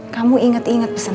kamu ingat ingat pesan